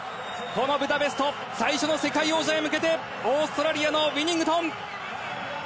ブダペスト最初の世界王者へ向けてオーストラリアのウィニングトン。